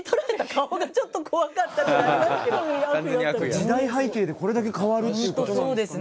時代背景でこれだけ変わるということなんですかね。